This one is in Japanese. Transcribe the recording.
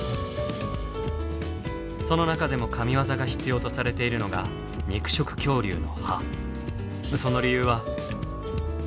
その中でも神業が必要とされているのがその理由は。